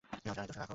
আরে দোসা রাখ।